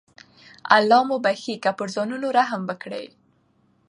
الله مو بخښي که پر ځانونو رحم وکړئ.